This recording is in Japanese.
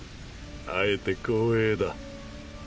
会えて光栄だ。